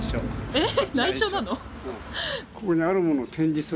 えっ？